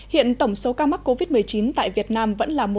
hiện tổng số ca mắc covid một mươi chín tại việt nam vẫn là một ba mươi tám ca